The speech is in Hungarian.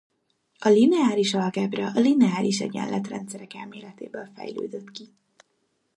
A lineáris algebra a lineáris egyenletrendszerek elméletéből fejlődött ki